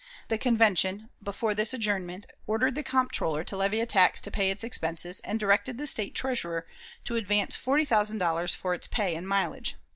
The Convention, before this adjournment, ordered the Comptroller to levy a tax to pay its expenses, and directed the State Treasurer to advance forty thousand dollars for its pay and mileage.